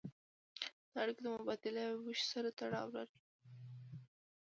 دا اړیکې د مبادلې او ویش سره تړاو لري.